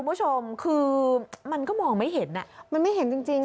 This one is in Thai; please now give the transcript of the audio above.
คุณผู้ชมคือมันก็มองไม่เห็นอ่ะมันไม่เห็นจริง